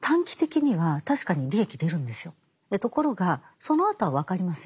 ところがそのあとは分かりません。